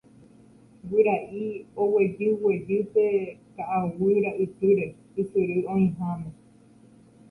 Guyra'i oguejyguejy pe ka'aguy ra'ytýre ysyry oĩháme